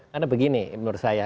karena begini menurut saya